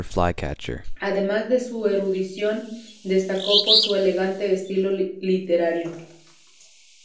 Además de su erudición, destacó por su elegante estilo literario.